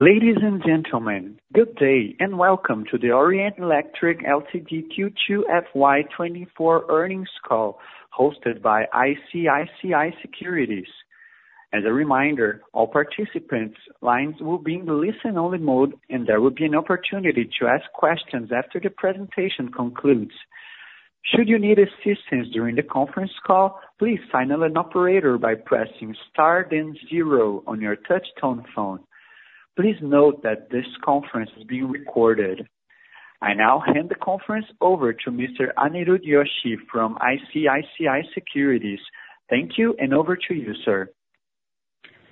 Ladies and gentlemen, good day, and welcome to the Orient Electric Limited Q2 FY 2024 earnings call, hosted by ICICI Securities. As a reminder, all participants' lines will be in listen-only mode, and there will be an opportunity to ask questions after the presentation concludes. Should you need assistance during the conference call, please signal an operator by pressing star then zero on your touchtone phone. Please note that this conference is being recorded. I now hand the conference over to Mr. Aniruddha Joshi from ICICI Securities. Thank you, and over to you, sir.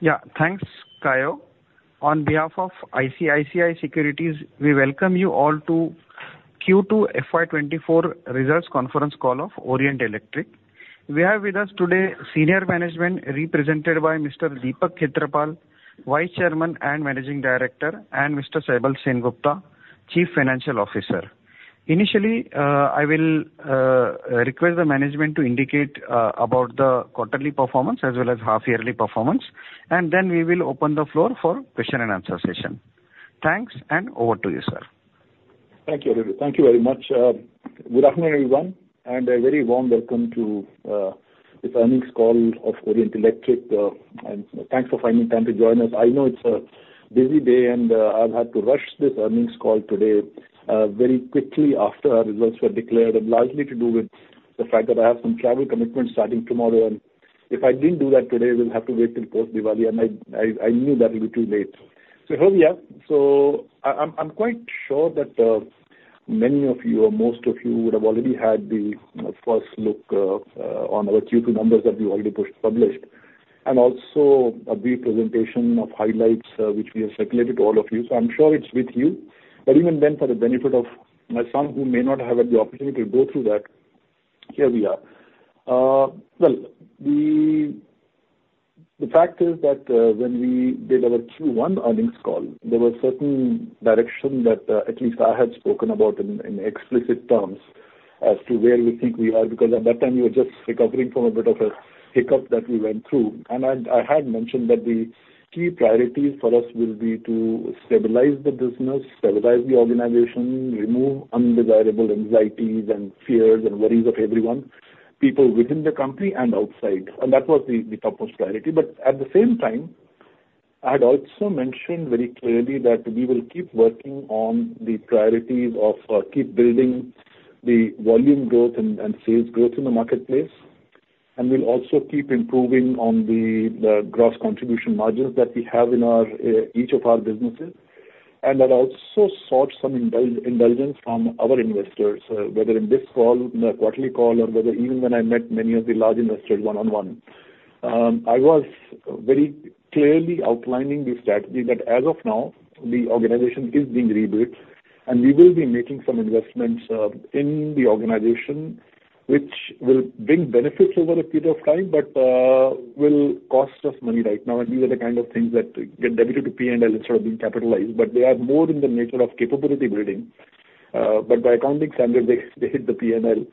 Yeah, thanks, Kayo. On behalf of ICICI Securities, we welcome you all to Q2 FY 2024 results conference call of Orient Electric. We have with us today senior management, represented by Mr. Desh Deepak Khetrapal, Vice Chairman and Managing Director, and Mr. Saibal Sengupta, Chief Financial Officer. Initially, I will request the management to indicate about the quarterly performance as well as half-yearly performance, and then we will open the floor for question and answer session. Thanks, and over to you, sir. Thank you. Thank you very much. Good afternoon, everyone, and a very warm welcome to this earnings call of Orient Electric, and thanks for finding time to join us. I know it's a busy day, and I've had to rush this earnings call today very quickly after our results were declared, and largely to do with the fact that I have some travel commitments starting tomorrow, and if I didn't do that today, we'll have to wait till post-Diwali, and I knew that would be too late. So here we are. So, I'm quite sure that many of you or most of you would have already had the, you know, first look on our Q2 numbers that we already pushed, published, and also a brief presentation of highlights which we have circulated to all of you, so I'm sure it's with you. But even then, for the benefit of some who may not have had the opportunity to go through that, here we are. Well, the fact is that when we did our Q1 earnings call, there were certain directions that at least I had spoken about in explicit terms as to where we think we are, because at that time, we were just recovering from a bit of a hiccup that we went through. And I, I had mentioned that the key priorities for us will be to stabilize the business, stabilize the organization, remove undesirable anxieties and fears and worries of everyone, people within the company and outside. And that was the topmost priority. But at the same time, I had also mentioned very clearly that we will keep working on the priorities of keep building the volume growth and sales growth in the marketplace, and we'll also keep improving on the gross contribution margins that we have in our each of our businesses, and that also sought some indulgence from our investors, whether in this call, in the quarterly call or whether even when I met many of the large investors one-on-one. I was very clearly outlining the strategy that as of now, the organization is being rebuilt, and we will be making some investments in the organization, which will bring benefits over a period of time, but will cost us money right now. And these are the kind of things that get debited to P&L instead of being capitalized, but they are more in the nature of capability building. But by accounting standard, they, they hit the P&L.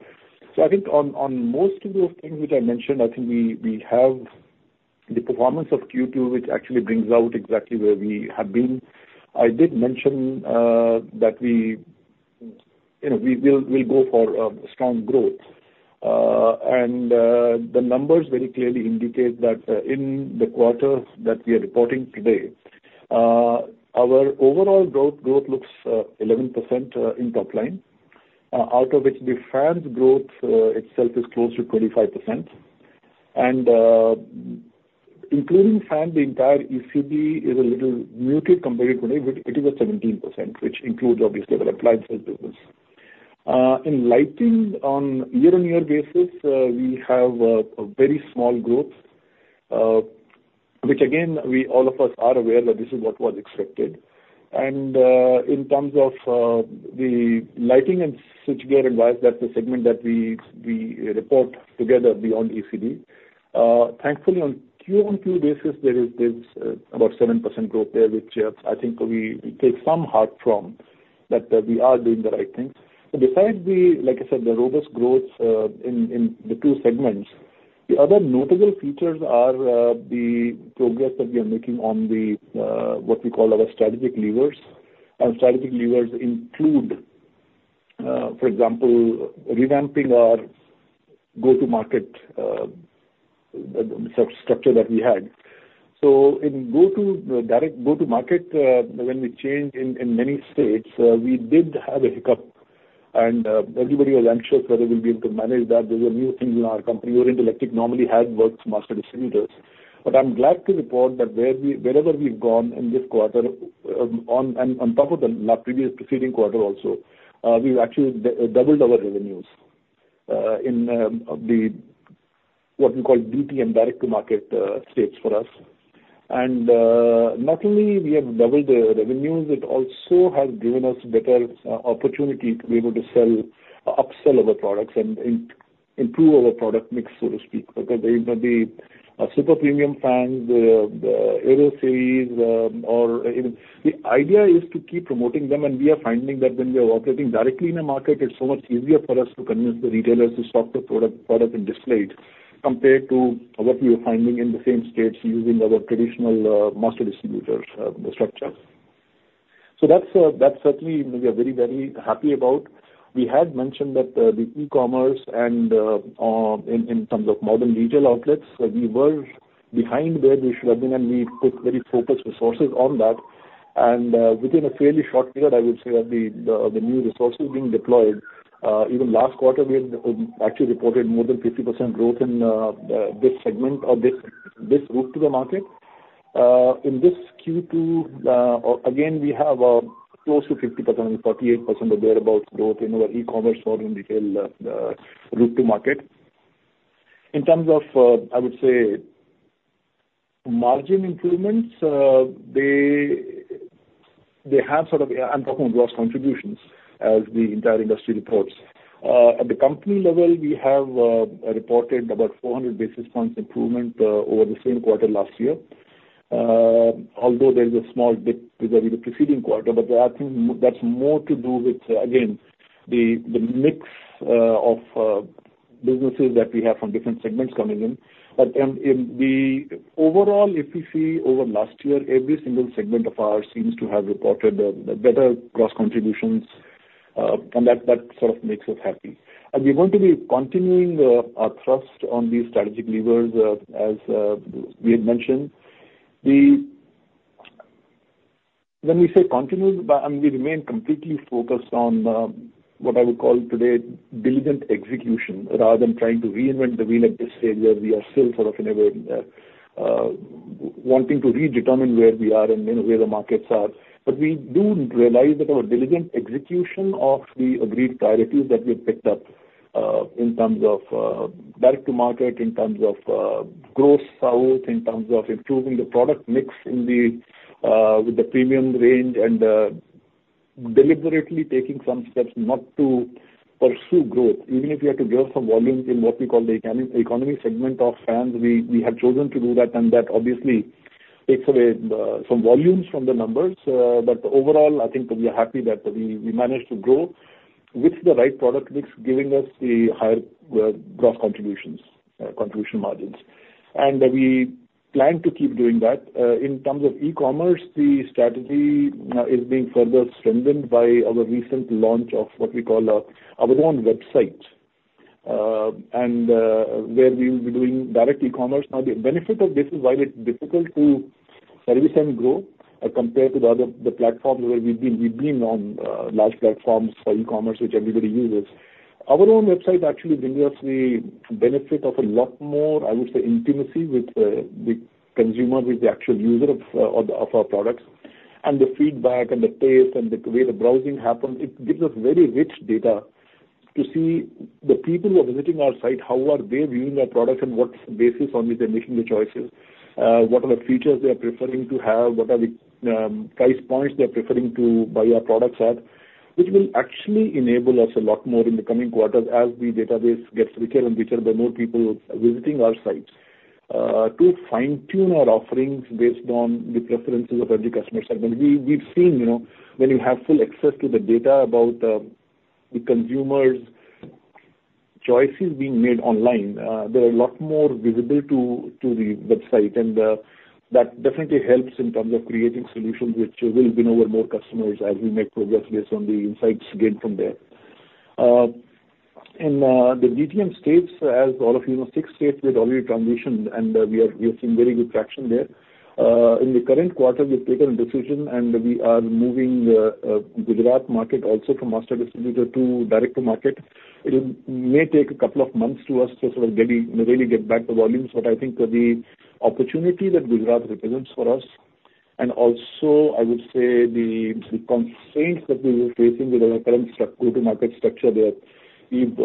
So I think on, on most of those things which I mentioned, I think we, we have the performance of Q2, which actually brings out exactly where we have been. I did mention that we, you know, we will, we'll go for strong growth. The numbers very clearly indicate that, in the quarter that we are reporting today, our overall growth looks 11% in top line, out of which the fans growth itself is close to 25%. Including fan, the entire ECD is a little muted compared to fans, but it is at 17%, which includes obviously the appliance sales business. In lighting on year-on-year basis, we have a very small growth, which again, we all of us are aware that this is what was expected. In terms of the lighting and switchgear and wires, that's the segment that we report together beyond ECD. Thankfully, on Q-on-Q basis, there is, there's about 7% growth there, which I think we take some heart from that; we are doing the right thing. So besides, like I said, the robust growth in the two segments, the other notable features are the progress that we are making on what we call our strategic levers. And strategic levers include, for example, revamping our go-to-market structure that we had. So in go-to direct-to-market, when we changed in many states, we did have a hiccup, and everybody was anxious whether we'll be able to manage that. These are new things in our company. Orient Electric normally has worked master distributors, but I'm glad to report that wherever we've gone in this quarter, on top of the previous preceding quarter also, we've actually doubled our revenues, in the what we call DTM, direct to market, states for us. And, not only we have doubled the revenues, it also has given us better opportunity to be able to sell, upsell our products and improve our product mix, so to speak. Because the super premium fans, the Aero Series, or... The idea is to keep promoting them, and we are finding that when we are operating directly in a market, it's so much easier for us to convince the retailers to stock the product, product and display it, compared to what we were finding in the same states using our traditional master distributors, the structure. So that's certainly we are very, very happy about. We had mentioned that, the e-commerce and in terms of modern retail outlets, we were behind where we should have been, and we put very focused resources on that. And within a fairly short period, I would say that the new resources being deployed, even last quarter, we had actually reported more than 50% growth in this segment or this route to the market. In this Q2, again, we have close to 50%, 48% or thereabout growth in our e-commerce modern retail route to market. In terms of, I would say, margin improvements, they have sort of. I'm talking of gross contributions as the entire industry reports. At the company level, we have reported about 400 basis points improvement over the same quarter last year. Although there is a small dip with the preceding quarter, but I think that's more to do with, again, the mix of businesses that we have from different segments coming in. Overall, if you see over last year, every single segment of ours seems to have reported better gross contributions, and that sort of makes us happy. We're going to be continuing our thrust on these strategic levers as we had mentioned. When we say continue, and we remain completely focused on what I would call today diligent execution, rather than trying to reinvent the wheel at this stage, where we are still sort of in a way wanting to redetermine where we are and where the markets are. But we do realize that our diligent execution of the agreed priorities that we've picked up in terms of direct to market, in terms of Gujarat, South, in terms of improving the product mix with the premium range, and deliberately taking some steps not to pursue growth, even if we have to give some volumes in what we call the economy segment of fans. We have chosen to do that, and that obviously takes away some volumes from the numbers. But overall, I think we are happy that we managed to grow with the right product mix, giving us the higher gross contributions, contribution margins. And we plan to keep doing that. In terms of e-commerce, the strategy is being further strengthened by our recent launch of what we call our own website, and where we will be doing direct e-commerce. Now, the benefit of this is, while it's difficult to service and grow as compared to the other, the platforms where we've been on large platforms for e-commerce, which everybody uses. Our own website actually brings us the benefit of a lot more, I would say, intimacy with the consumer, with the actual user of our products, and the feedback and the pace and the way the browsing happens. It gives us very rich data to see the people who are visiting our site, how are they viewing our products, and what basis on which they're making the choices. What are the features they are preferring to have? What are the price points they are preferring to buy our products at? Which will actually enable us a lot more in the coming quarters as the database gets richer and richer by more people visiting our site. To fine-tune our offerings based on the preferences of every customer segment. We've seen, you know, when you have full access to the data about the consumers' choices being made online, they're a lot more visible to the website, and that definitely helps in terms of creating solutions which will win over more customers as we make progress based on the insights gained from there. In the DTM states, as all of you know, six states we've already transitioned, and we are seeing very good traction there. In the current quarter, we've taken a decision, and we are moving Gujarat market also from master distributor to direct to market. It may take a couple of months to us to sort of really, really get back the volumes. But I think the opportunity that Gujarat represents for us, and also I would say the constraints that we were facing with our current go-to-market structure there, we've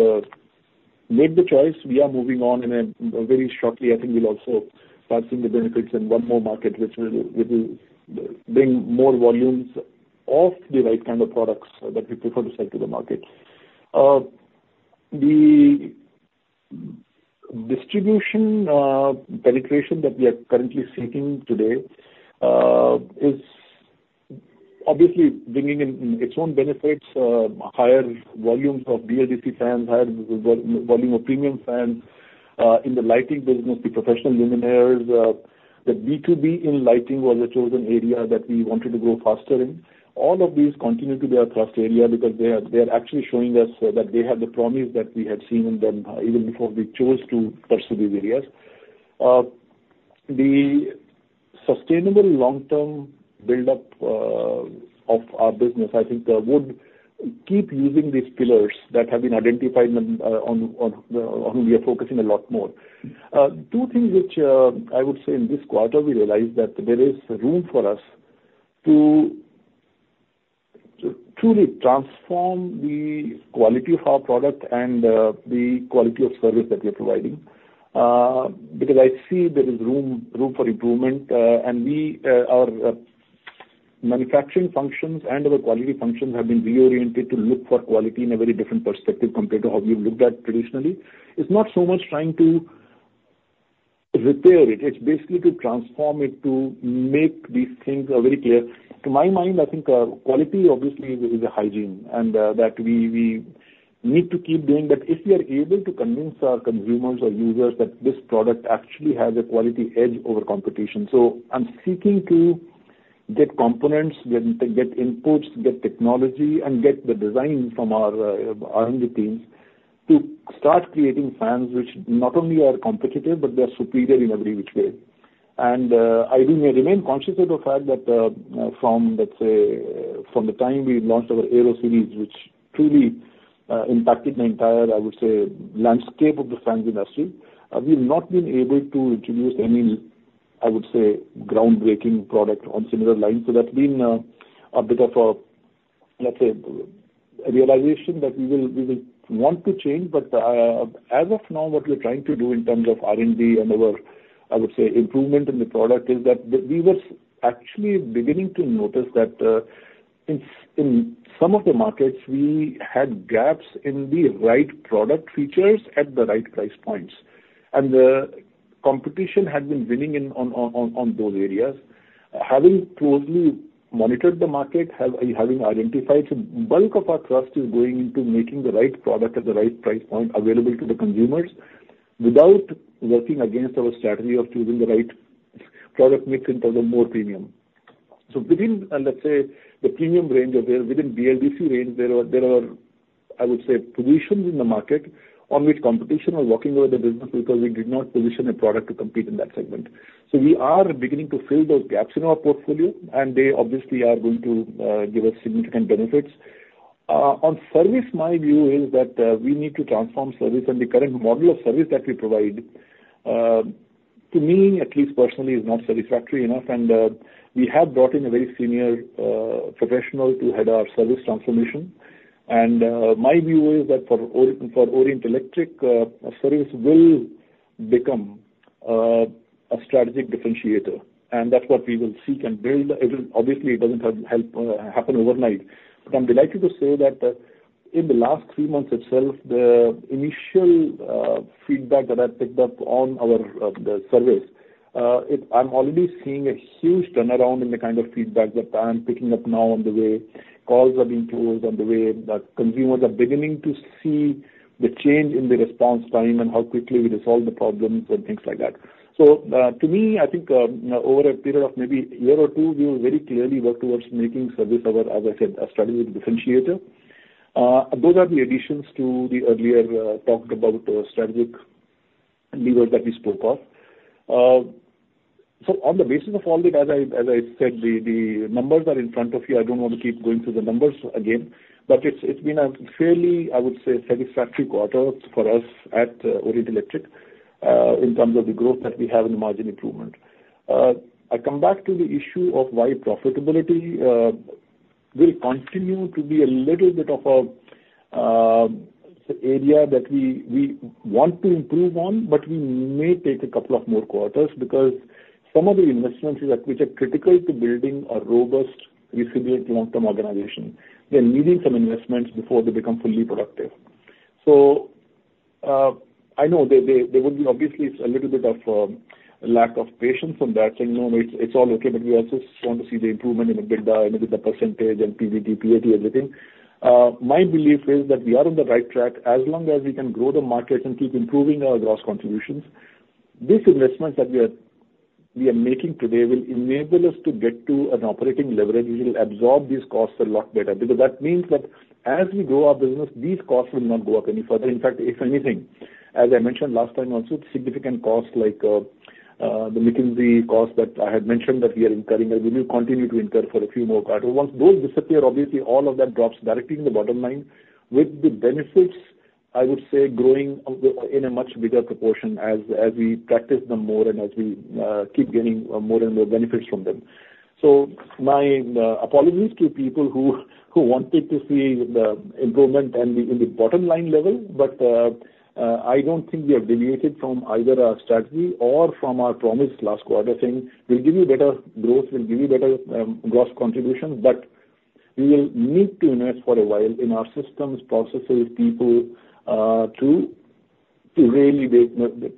made the choice. We are moving on, and then very shortly, I think we'll also start seeing the benefits in one more market, which will bring more volumes of the right kind of products that we prefer to sell to the market. The distribution penetration that we are currently seeking today is obviously bringing in its own benefits, higher volumes of BLDC fans, higher volume of premium fans. In the lighting business, the professional luminaires, the B2B in lighting was a chosen area that we wanted to grow faster in. All of these continue to be our thrust area because they are actually showing us that they have the promise that we had seen in them, even before we chose to pursue these areas. The sustainable long-term build-up of our business, I think, would keep using these pillars that have been identified and on we are focusing a lot more. Two things which I would say in this quarter, we realized that there is room for us to truly transform the quality of our product and the quality of service that we are providing. Because I see there is room for improvement, and our manufacturing functions and our quality functions have been reoriented to look for quality in a very different perspective compared to how we've looked at traditionally. It's not so much trying to repair it, it's basically to transform it, to make these things, very clear. To my mind, I think, quality obviously is a hygiene, and, that we need to keep doing that. If we are able to convince our consumers or users that this product actually has a quality edge over competition. So I'm seeking to get components, get inputs, get technology, and get the design from our R&D teams to start creating fans which not only are competitive, but they are superior in every which way. I think we remain conscious of the fact that, from, let's say, from the time we launched our Aero Series, which truly impacted the entire, I would say, landscape of the fans industry, we've not been able to introduce any, I would say, groundbreaking product on similar lines. So that's been a bit of a, let's say, a realization that we will want to change. But, as of now, what we're trying to do in terms of R&D and our, I would say, improvement in the product, is that we were actually beginning to notice that, in some of the markets, we had gaps in the right product features at the right price points, and the competition had been winning in those areas. Having closely monitored the market, having identified, so bulk of our thrust is going into making the right product at the right price point available to the consumers, without working against our strategy of choosing the right product mix in terms of more premium. So within, let's say, the premium range or within BLDC range, there are, I would say, positions in the market on which competition was working with the business because we did not position a product to compete in that segment. So we are beginning to fill those gaps in our portfolio, and they obviously are going to give us significant benefits. On service, my view is that we need to transform service, and the current model of service that we provide, to me, at least personally, is not satisfactory enough. We have brought in a very senior professional to head our service transformation. My view is that for Orient Electric, service will become a strategic differentiator, and that's what we will seek and build. It will obviously it doesn't help happen overnight. But I'm delighted to say that in the last three months itself, the initial feedback that I've picked up on our surveys, I'm already seeing a huge turnaround in the kind of feedback that I'm picking up now, on the way calls are being closed, on the way that consumers are beginning to see the change in the response time and how quickly we resolve the problems and things like that. So, to me, I think, over a period of maybe a year or two, we will very clearly work towards making service our, as I said, a strategic differentiator. Those are the additions to the earlier, talked about, strategic levers that we spoke of. So on the basis of all that, as I, as I said, the, the numbers are in front of you. I don't want to keep going through the numbers again, but it's, it's been a fairly, I would say, satisfactory quarter for us at, Orient Electric, in terms of the growth that we have and the margin improvement. I come back to the issue of why profitability will continue to be a little bit of a area that we want to improve on, but we may take a couple of more quarters because some of the investments which are critical to building a robust, resilient, long-term organization, they're needing some investments before they become fully productive. So, I know there would be obviously a little bit of lack of patience on that, and, you know, it's all okay, but we also want to see the improvement in the EBITDA and with the percentage and PBT, PAT, everything. My belief is that we are on the right track. As long as we can grow the market and keep improving our gross contributions, these investments that we are making today will enable us to get to an operating leverage, which will absorb these costs a lot better. Because that means that as we grow our business, these costs will not go up any further. In fact, if anything, as I mentioned last time also, significant costs like the McKinsey cost that I had mentioned that we are incurring and we will continue to incur for a few more quarters. Once those disappear, obviously all of that drops directly in the bottom line with the benefits, I would say, growing in a much bigger proportion as we practice them more and as we keep getting more and more benefits from them. So my apologies to people who wanted to see the improvement in the bottom line level, but I don't think we have deviated from either our strategy or from our promise last quarter, saying we'll give you better growth, we'll give you better gross contribution, but we will need to invest for a while in our systems, processes, people to really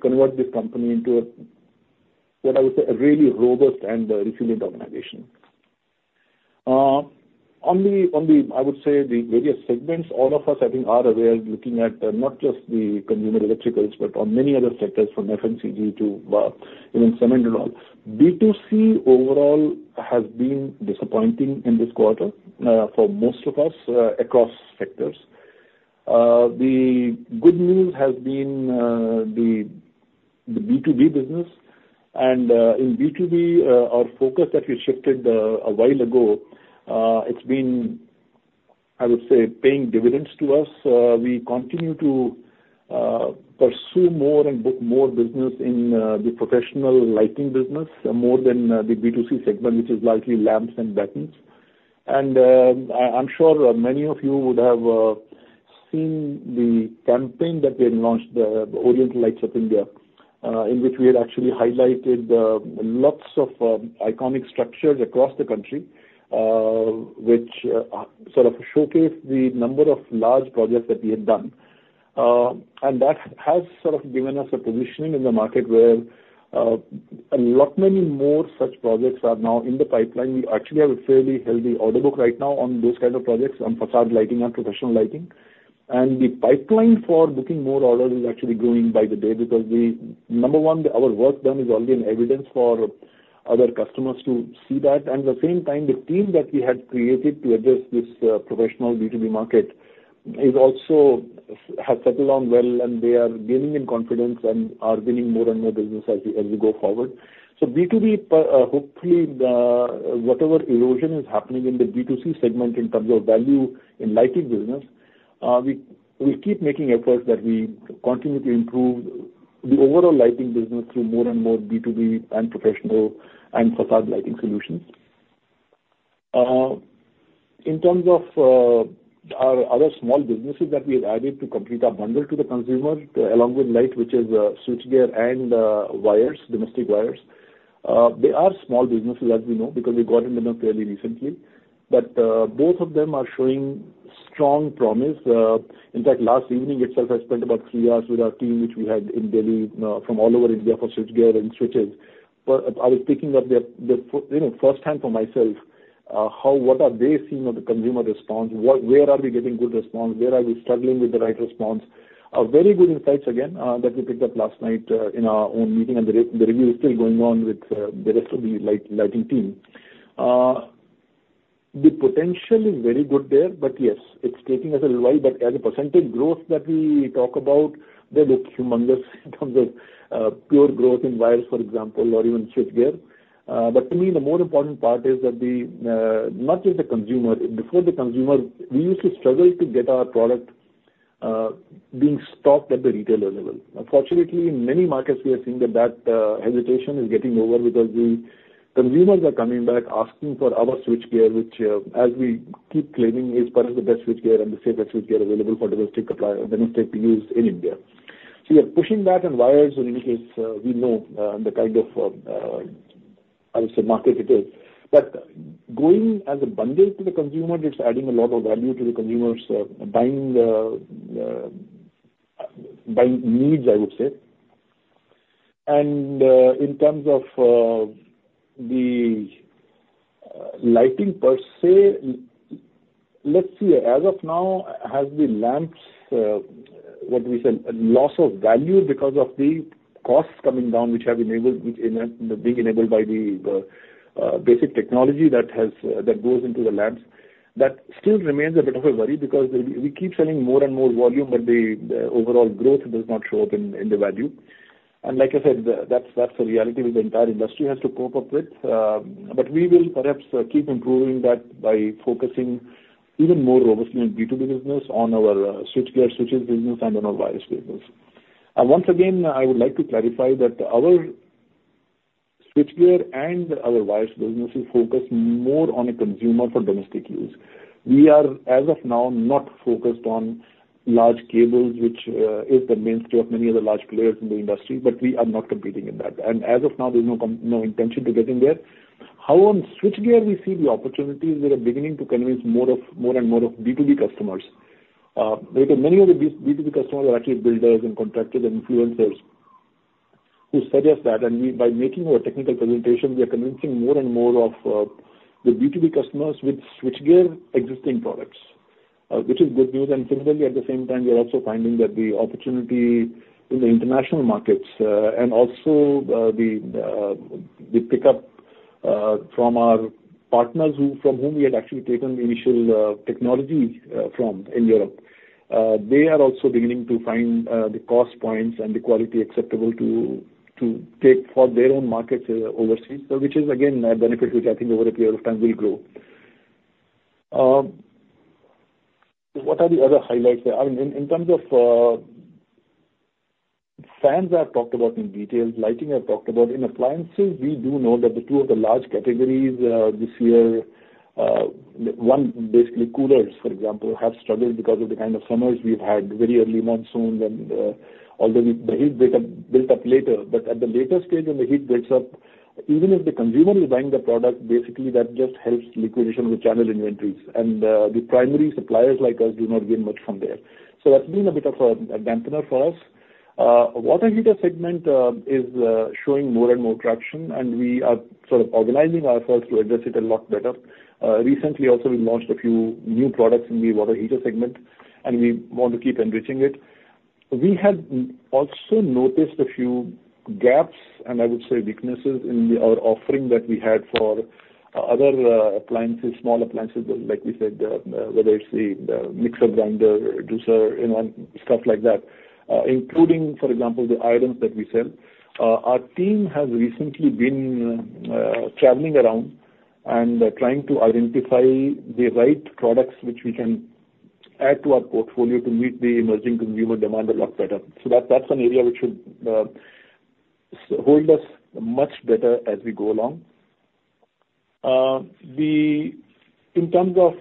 convert this company into a what I would say a really robust and resilient organization. On the I would say the various segments, all of us I think are aware, looking at not just the consumer electricals, but on many other sectors, from FMCG to even cement and all. B2C overall has been disappointing in this quarter for most of us across sectors. The good news has been, the, the B2B business, and, in B2B, our focus that we shifted, a while ago, it's been, I would say, paying dividends to us. We continue to, pursue more and book more business in, the professional lighting business, more than, the B2C segment, which is largely lamps and battens. I'm sure many of you would have, seen the campaign that we had launched, the Orient Lights of India, in which we had actually highlighted, lots of, iconic structures across the country, which, sort of showcase the number of large projects that we have done. And that has sort of given us a positioning in the market where, a lot many more such projects are now in the pipeline. We actually have a fairly healthy order book right now on those kind of projects, on facade lighting and professional lighting. And the pipeline for booking more orders is actually growing by the day because we, number one, our work done is already in evidence for other customers to see that, and at the same time, the team that we had created to address this professional B2B market is also has settled on well, and they are gaining in confidence and are winning more and more business as we, as we go forward. So B2B, hopefully, whatever erosion is happening in the B2C segment in terms of value in lighting business, we, we keep making efforts that we continue to improve the overall lighting business through more and more B2B and professional and facade lighting solutions. In terms of our other small businesses that we have added to complete our bundle to the consumer, along with light, which is switchgear and wires, domestic wires, they are small businesses, as we know, because we got in them fairly recently. But both of them are showing strong promise. In fact, last evening itself, I spent about three hours with our team, which we had in Delhi, from all over India for switchgear and switches. But I was picking up their you know, first time for myself, what are they seeing on the consumer response? Where are we getting good response? Where are we struggling with the right response? A very good insights again, that we picked up last night, in our own meeting, and the review is still going on with, the rest of the lighting team. The potential is very good there, but yes, it's taking us a while, but as a percentage growth that we talk about, they look humongous in terms of, pure growth in wires, for example, or even switchgear. But to me, the more important part is that the, not just the consumer, before the consumer, we used to struggle to get our product, being stocked at the retailer level. Unfortunately, in many markets, we are seeing that hesitation is getting over because the consumers are coming back, asking for our switchgear, which, as we keep claiming, is one of the best switchgear and the safest switchgear available for domestic use in India. So we are pushing that, and wires, in any case, we know the kind of, I would say, market it is. But going as a bundle to the consumer, it's adding a lot of value to the consumers buying the buying needs, I would say. In terms of the lighting per se, let's see, as of now, has the lamps what we say a loss of value because of the costs coming down, which have enabled, which in being enabled by the basic technology that has that goes into the lamps. That still remains a bit of a worry because we keep selling more and more volume, but the overall growth does not show up in the value. And like I said, that's a reality which the entire industry has to cope up with. But we will perhaps keep improving that by focusing even more rigorously in B2B business on our switchgear, switches business, and on our wires business. Once again, I would like to clarify that our switchgear and our wires business is focused more on a consumer for domestic use. We are, as of now, not focused on large cables, which is the mainstay of many of the large players in the industry, but we are not competing in that. And as of now, there's no intention to get in there. How on switchgear we see the opportunities? We are beginning to convince more and more of B2B customers. Because many of the B2B customers are actually builders and contractors and influencers who suggest that, and we, by making our technical presentations, we are convincing more and more of the B2B customers with switchgear existing products, which is good news. And similarly, at the same time, we are also finding that the opportunity in the international markets and also the pickup from our partners who, from whom we had actually taken the initial technology from in Europe. They are also beginning to find the cost points and the quality acceptable to take for their own markets overseas. So which is again a benefit which I think over a period of time will grow. What are the other highlights there? In terms of fans, I've talked about in detail, lighting, I've talked about. In appliances, we do know that two of the large categories this year, one, basically coolers, for example, have struggled because of the kind of summers we've had, very early monsoons and, although the heat built up later. But at the later stage, when the heat builds up, even if the consumer is buying the product, basically that just helps liquidation with channel inventories. And the primary suppliers like us do not gain much from there. So that's been a bit of a dampener for us. Water heater segment is showing more and more traction, and we are sort of organizing ourselves to address it a lot better. Recently also, we launched a few new products in the water heater segment, and we want to keep enriching it. We have also noticed a few gaps, and I would say weaknesses, in our offering that we had for other appliances, small appliances, like we said, whether it's the mixer grinder, juicer, you know, stuff like that, including, for example, the items that we sell. Our team has recently been traveling around and trying to identify the right products which we can add to our portfolio to meet the emerging consumer demand a lot better. So that, that's an area which should hold us much better as we go along. In terms of,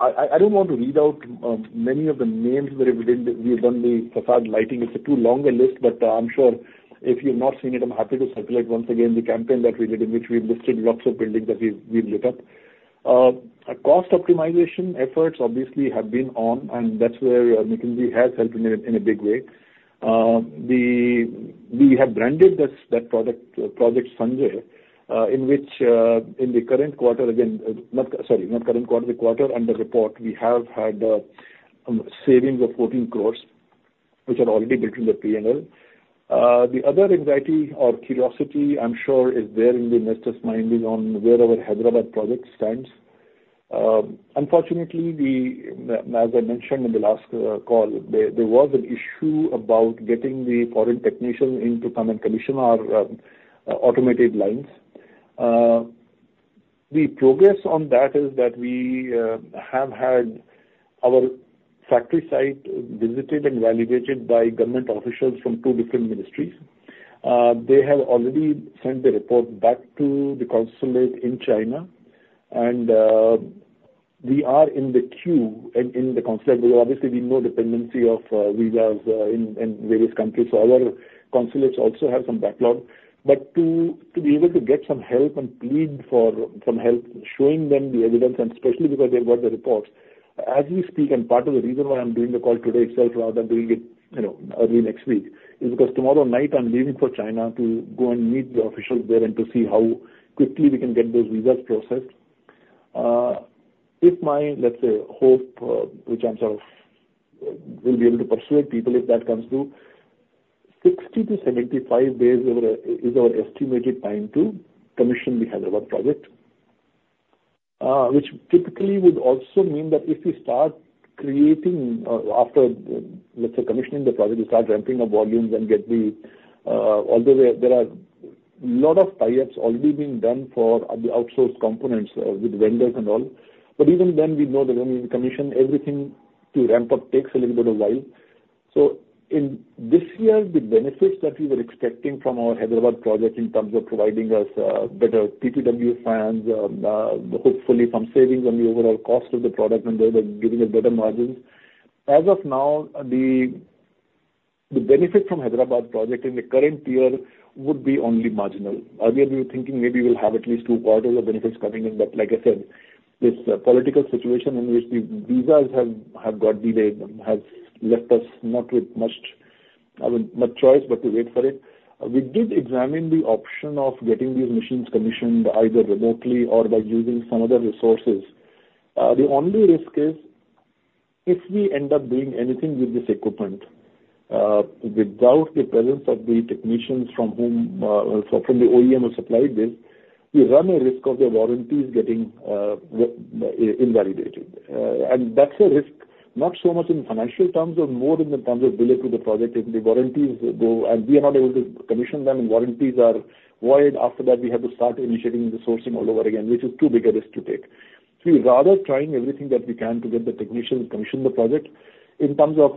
I don't want to read out many of the names where we did, we have done the facade lighting. It's a too long a list, but, I'm sure if you've not seen it, I'm happy to circulate once again the campaign that we did, in which we've listed lots of buildings that we've lit up. Our cost optimization efforts obviously have been on, and that's where McKinsey has helped in a big way. We have branded this, that product, Project Sanchay, in which, in the current quarter again, not, sorry, not current quarter, the quarter under report, we have had savings of 14 crore, which are already built in the P&L. The other anxiety or curiosity, I'm sure, is there in the investors' mind is on where our Hyderabad project stands. Unfortunately, as I mentioned in the last call, there was an issue about getting the foreign technician in to come and commission our automated lines. The progress on that is that we have had our factory site visited and validated by government officials from two different ministries. They have already sent the report back to the consulate in China, and we are in the queue and in the consulate, because obviously, we know dependency of visas in various countries, so our consulates also have some backlog. But to be able to get some help and plead for some help, showing them the evidence, and especially because they've got the reports, as we speak, and part of the reason why I'm doing the call today itself rather than doing it, you know, early next week, is because tomorrow night, I'm leaving for China to go and meet the officials there and to see how quickly we can get those visas processed. If my, let's say, hope, which I'm sort of, will be able to persuade people if that comes through, 60-75 days over- is our estimated time to commission the Hyderabad project. Which typically would also mean that if we start creating, after, let's say, commissioning the project, we start ramping up volumes and get the... Although there, there are lot of tie-ups already being done for the outsourced components, with vendors and all. But even then, we know that when we commission everything to ramp up takes a little bit of while. So in this year, the benefits that we were expecting from our Hyderabad project in terms of providing us, better TPW fans, hopefully some savings on the overall cost of the product and there, giving us better margins. As of now, the benefit from Hyderabad project in the current year would be only marginal. Earlier, we were thinking maybe we'll have at least two quarters of benefits coming in, but like I said, this political situation in which the visas have got delayed, has left us not with much, I mean, much choice but to wait for it. We did examine the option of getting these machines commissioned either remotely or by using some other resources. The only risk is, if we end up doing anything with this equipment, without the presence of the technicians from whom, from the OEM who supplied this, we run a risk of the warranties getting invalidated. And that's a risk, not so much in financial terms or more in the terms of delivery of the project. If the warranties go and we are not able to commission them and warranties are void, after that, we have to start initiating the sourcing all over again, which is too big a risk to take. So we're rather trying everything that we can to get the technicians commission the project. In terms of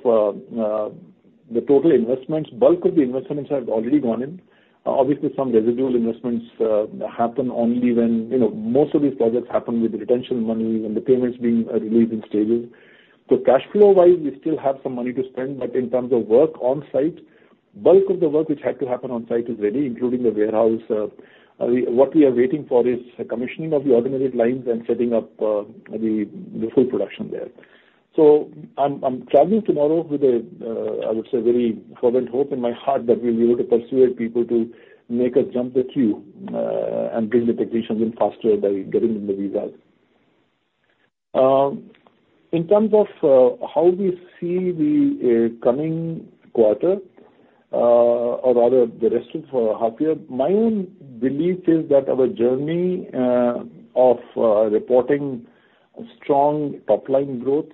the total investments, bulk of the investments have already gone in. Obviously, some residual investments happen only when, you know, most of these projects happen with the retention money and the payments being released in stages. So cash flow-wise, we still have some money to spend, but in terms of work on site, bulk of the work which had to happen on site is ready, including the warehouse. What we are waiting for is the commissioning of the automated lines and setting up the full production there. So I'm traveling tomorrow with a, I would say, very fervent hope in my heart that we'll be able to persuade people to make us jump the queue and bring the technicians in faster by getting them the visas. In terms of how we see the coming quarter, or rather the rest of half year, my own belief is that our journey of reporting strong top-line growth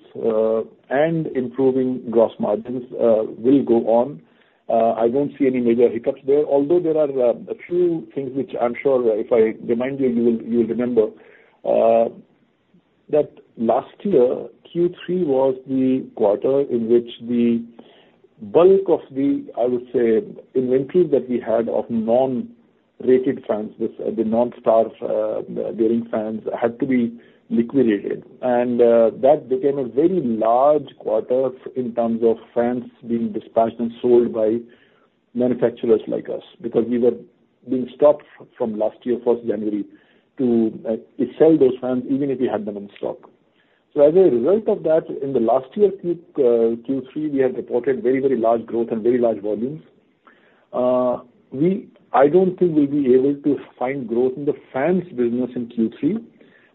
and improving gross margins will go on. I don't see any major hiccups there, although there are a few things which I'm sure if I remind you, you will, you will remember. That last year, Q3 was the quarter in which the bulk of the, I would say, inventory that we had of non-rated fans, the non-star bearing fans, had to be liquidated. That became a very large quarter in terms of fans being dispatched and sold by manufacturers like us, because we were being stopped from last year, first January, to sell those fans even if we had them in stock. So as a result of that, in the last year, Q3, we had reported very, very large growth and very large volumes. I don't think we'll be able to find growth in the fans business in Q3.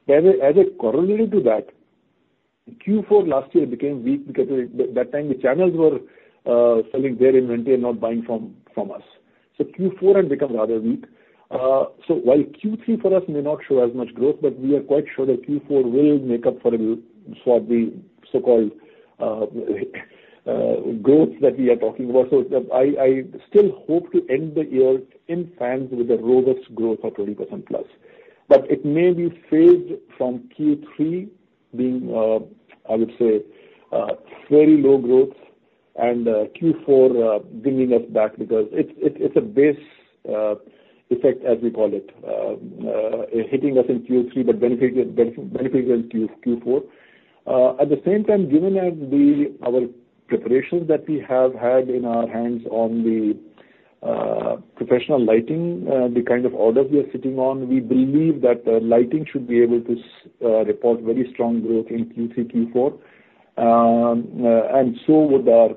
But as a corollary to that, Q4 last year became weak because at that time, the channels were selling their inventory and not buying from us. So Q4 had become rather weak. So while Q3 for us may not show as much growth, but we are quite sure that Q4 will make up for the so-called growth that we are talking about. So I still hope to end the year in fans with a robust growth of 20%+. But it may be phased from Q3 being, I would say, very low growth and, Q4, bringing us back because it's a base effect, as we call it, hitting us in Q3, but benefiting us in Q4. At the same time, given that our preparations that we have had in our hands on the professional lighting, the kind of orders we are sitting on, we believe that the lighting should be able to report very strong growth in Q3, Q4. And so with our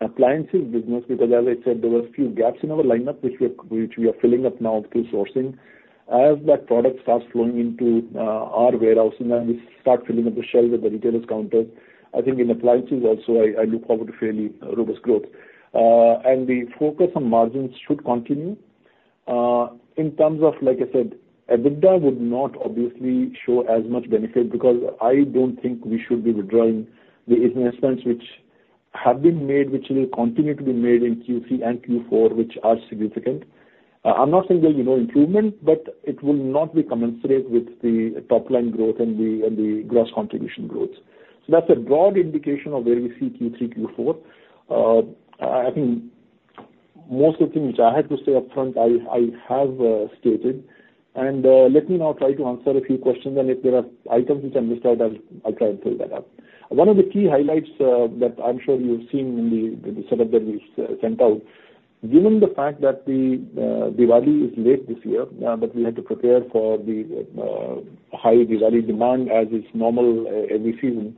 appliances business, because as I said, there were a few gaps in our lineup, which we are filling up now through sourcing. As that product starts flowing into our warehouse, and then we start filling up the shelves at the retailers' counters, I think in appliances also, I look forward to fairly robust growth. The focus on margins should continue. In terms of, like I said, EBITDA would not obviously show as much benefit because I don't think we should be withdrawing the investments which have been made, which will continue to be made in Q3 and Q4, which are significant. I'm not saying there'll be no improvement, but it will not be commensurate with the top line growth and the gross contribution growth. So that's a broad indication of where we see Q3, Q4. I think most of the things which I had to say upfront, I have stated. Let me now try to answer a few questions, and if there are items which are missed out, I'll try and fill that up. One of the key highlights that I'm sure you've seen in the setup that we sent out, given the fact that Diwali is late this year, but we had to prepare for the high Diwali demand as is normal every season,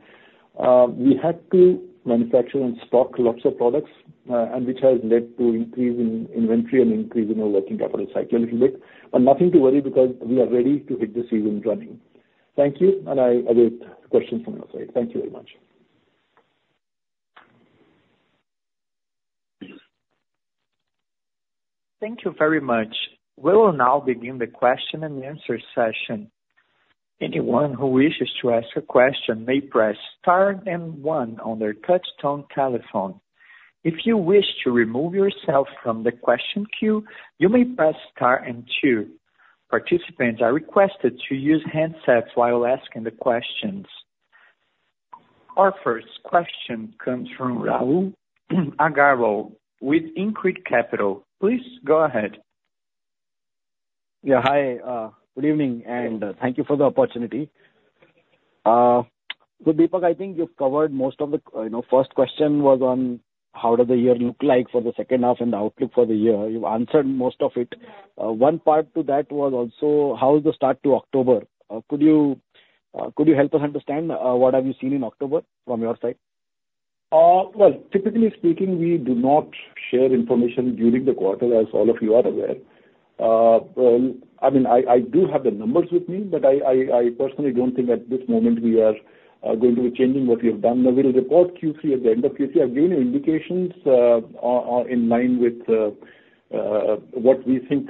we had to manufacture and stock lots of products, and which has led to increase in inventory and increase in our working capital cycle a little bit, but nothing to worry because we are ready to hit the season running. Thank you, and I await questions from your side. Thank you very much. Thank you very much. We will now begin the question and answer session. Anyone who wishes to ask a question may press star and one on their touchtone telephone. If you wish to remove yourself from the question queue, you may press star and two. Participants are requested to use handsets while asking the questions. Our first question comes from Rahul Agarwal with InCred Capital. Please go ahead. Yeah, hi, good evening, and thank you for the opportunity. So Deepak, I think you've covered most of the... You know, first question was on how does the year look like for the second half and the outlook for the year? You've answered most of it. One part to that was also, how is the start to October? Could you help us understand what have you seen in October from your side? Well, typically speaking, we do not share information during the quarter, as all of you are aware. Well, I mean, I do have the numbers with me, but I personally don't think at this moment we are going to be changing what we have done. Now, we'll report Q3 at the end of Q3. I've given you indications are in line with what we think,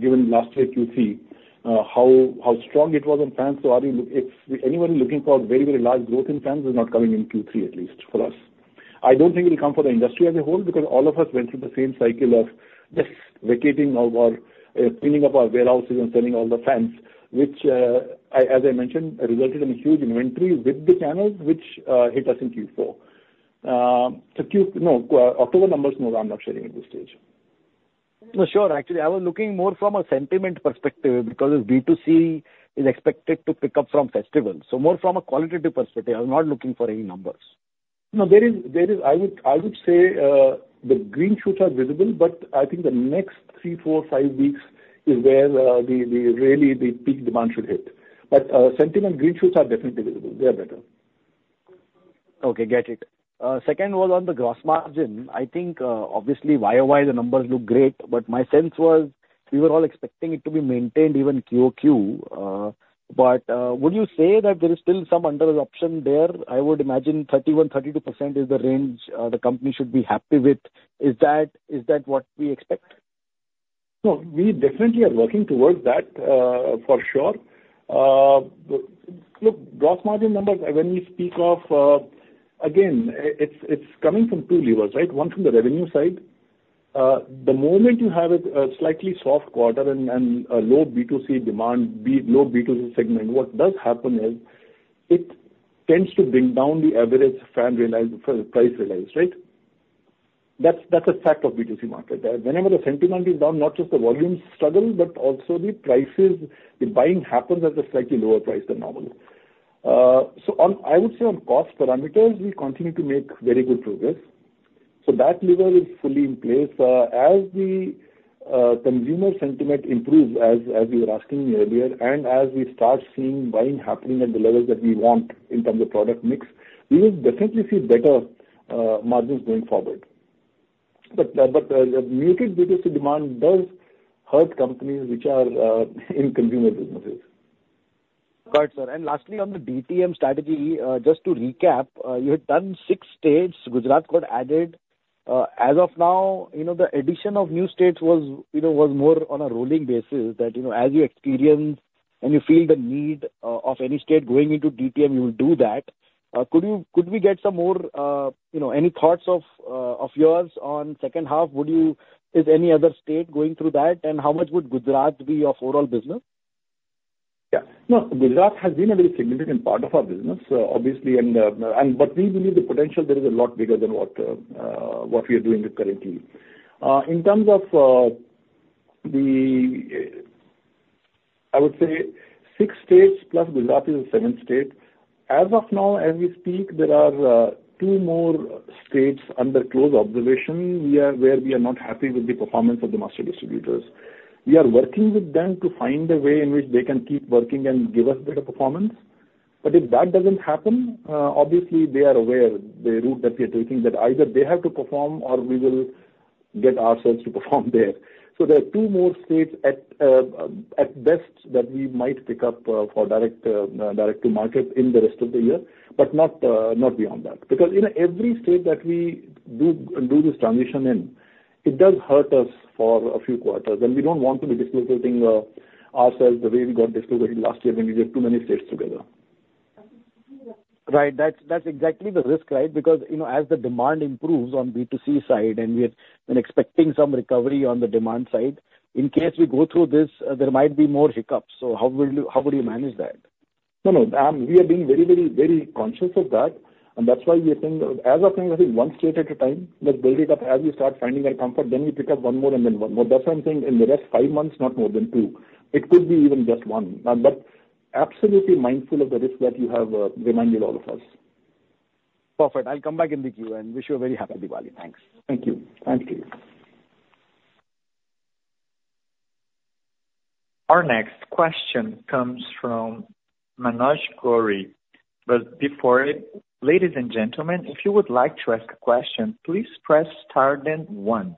given last year Q3, how strong it was on fans. So are you look- if anyone looking for very, very large growth in fans is not coming in Q3, at least for us. I don't think it will come for the industry as a whole because all of us went through the same cycle of just vacating our cleaning up our warehouses and selling all the fans, which, as I mentioned, resulted in a huge inventory with the channels, which hit us in Q4. So Q, no, October numbers, no, I'm not sharing at this stage. No, sure. Actually, I was looking more from a sentiment perspective, because B2C is expected to pick up from festivals. So more from a qualitative perspective, I'm not looking for any numbers. No, there is. I would say the green shoots are visible, but I think the next three, four, five weeks is where the really the peak demand should hit. But sentiment green shoots are definitely visible. They are better. Okay, got it. Second was on the gross margin. I think, obviously, YoY, the numbers look great, but my sense was we were all expecting it to be maintained even QoQ. But, would you say that there is still some under option there? I would imagine 31%-32% is the range, the company should be happy with. Is that, is that what we expect? No, we definitely are working towards that, for sure. Look, gross margin numbers, when we speak of, again, it's, it's coming from two levers, right? One from the revenue side. The moment you have a slightly soft quarter and a low B2C demand, low B2C segment, what does happen is it tends to bring down the average fan realized, price realized, right? That's, that's a fact of B2C market. Whenever the sentiment is down, not just the volumes struggle, but also the prices, the buying happens at a slightly lower price than normal. So on, I would say on cost parameters, we continue to make very good progress, so that lever is fully in place. As the consumer sentiment improves, as you were asking me earlier, and as we start seeing buying happening at the levels that we want in terms of product mix, we will definitely see better margins going forward. But muted B2C demand does hurt companies which are in consumer businesses. Got it, sir. And lastly, on the DTM strategy, just to recap, you had done six states, Gujarat got added. As of now, you know, the addition of new states was, you know, was more on a rolling basis, that, you know, as you experience and you feel the need of any state going into DTM, you will do that. Could you, could we get some more, you know, any thoughts of of yours on second half? Would you... Is any other state going through that? And how much would Gujarat be your overall business? Yeah. No, Gujarat has been a very significant part of our business, obviously, and, and but we believe the potential there is a lot bigger than what, what we are doing there currently. In terms of, I would say six states plus Gujarat is the seventh state. As of now, as we speak, there are two more states under close observation where we are not happy with the performance of the master distributors. We are working with them to find a way in which they can keep working and give us better performance. But if that doesn't happen, obviously, they are aware the route that we are taking, that either they have to perform or we will get ourselves to perform there. So there are two more states at, at best, that we might pick up, for direct, direct to market in the rest of the year, but not, not beyond that. Because, you know, every state that we do this transition in, it does hurt us for a few quarters, and we don't want to be dislocating, ourselves the way we got dislocated last year when we did too many states together. Right. That's, that's exactly the risk, right? Because, you know, as the demand improves on B2C side, and we are expecting some recovery on the demand side, in case we go through this, there might be more hiccups. So how will you - how would you manage that? No, no, we are being very, very, very conscious of that, and that's why we are thinking, as we're thinking, I think one state at a time, let's build it up. As we start finding our comfort, then we pick up one more and then one more. That's why I'm saying in the next five months, not more than two. It could be even just one. But absolutely mindful of the risk that you have reminded all of us. Perfect. I'll come back in the queue and wish you a very happy Diwali. Thanks. Thank you. Thank you. Our next question comes from Manoj Gori. Before, ladies and gentlemen, if you would like to ask a question, please press star then one.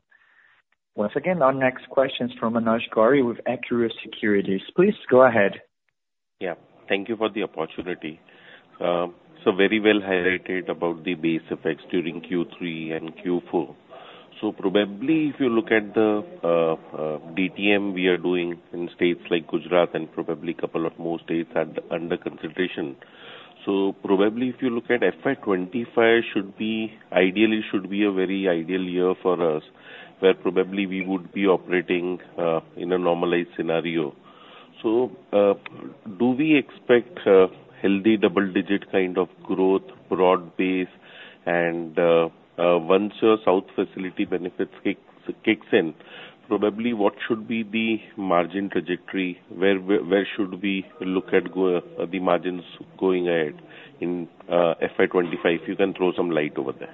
Once again, our next question is from Manoj Gori with Equirus Securities. Please go ahead. Yeah, thank you for the opportunity. So very well highlighted about the base effects during Q3 and Q4. So probably if you look at the DTM we are doing in states like Gujarat and probably a couple of more states under consideration. So probably if you look at FY 2025 should be, ideally should be a very ideal year for us, where probably we would be operating in a normalized scenario. So do we expect a healthy double-digit kind of growth, broad base? And once your south facility benefits kicks in, probably what should be the margin trajectory? Where, where, where should we look at go the margins going ahead in FY 2025? If you can throw some light over there.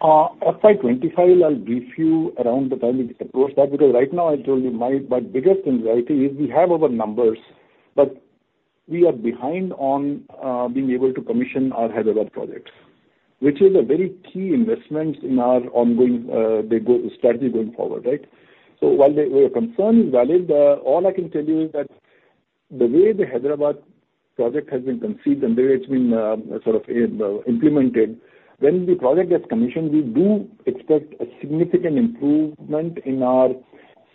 FY 2025, I'll brief you around the time we approach that, because right now, I told you my biggest anxiety is we have our numbers, but we are behind on being able to commission our Hyderabad projects. Which is a very key investment in our ongoing go-to strategy going forward, right? So while your concern is valid, all I can tell you is that the way the Hyderabad project has been conceived and the way it's been sort of implemented, when the project gets commissioned, we do expect a significant improvement in our.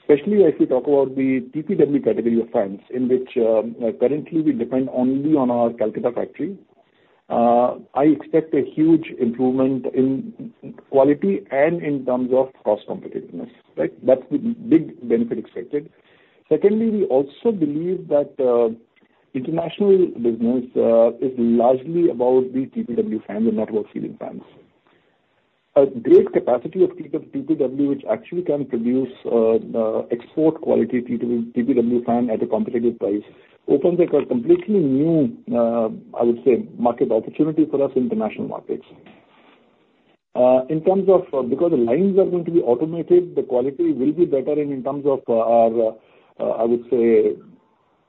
Especially as we talk about the TPW category of fans, in which currently we depend only on our Calcutta factory. I expect a huge improvement in quality and in terms of cost competitiveness, right? That's the big benefit expected. Secondly, we also believe that international business is largely about the TPW fans and network ceiling fans. A great capacity of TPW, which actually can produce export quality TPW fan at a competitive price, opens up a completely new, I would say, market opportunity for us in international markets. In terms of because the lines are going to be automated, the quality will be better, and in terms of our, I would say,